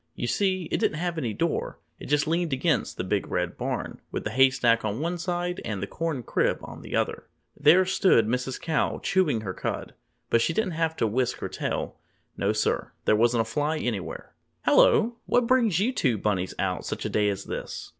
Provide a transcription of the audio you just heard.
You see, it didn't have any door it just leaned against the Big Red Barn, with the Hay Stack on one side and the Corn Crib on the other. There stood Mrs. Cow chewing her cud. But she didn't have to whisk her tail. No, sir! There wasn't a fly anywhere! "Helloa! What brings you two bunnies out such a day as this?"